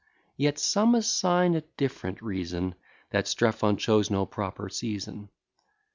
Yet some assign a different reason; That Strephon chose no proper season.